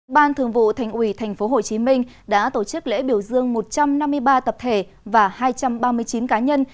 ban thường vụ thành ủy tp hcm đã tổ chức lễ biểu dương một trăm năm mươi ba tập thể và hai trăm ba mươi chín cá nhân